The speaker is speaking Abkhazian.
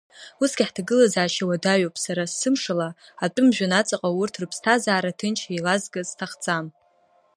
Усгьы ҳҭагылазаашьа уадаҩуп, сара сымшала атәым жәҩан аҵаҟа урҭ рыԥсҭазаара ҭынч еилазгар сҭахӡам…